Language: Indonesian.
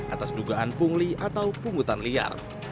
atas dugaan pungli atau pungutan liar